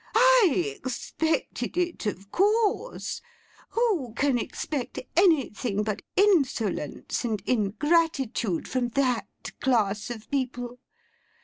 I expected it, of course; who can expect anything but insolence and ingratitude from that class of people!